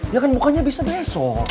ya kan mukanya bisa besok